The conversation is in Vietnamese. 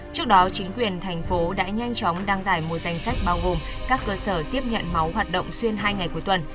trước đó chính quyền thành phố đã nhanh chóng đăng tải một danh sách bao gồm các cơ sở tiếp nhận máu hoạt động xuyên hai ngày cuối tuần